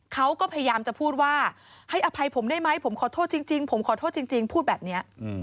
เขาก็พยายามจะพูดว่าให้อภัยผมได้ไหมผมขอโทษจริงพูดแบบนี้